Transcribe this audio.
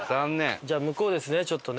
じゃあ向こうですねちょっとね。